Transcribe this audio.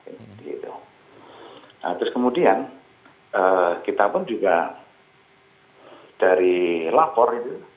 nah terus kemudian kita pun juga dari lapor